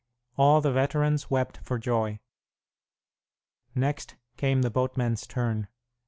All the veterans wept for joy. Next came the boatmen's turn.